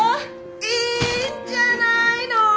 いいんじゃないの！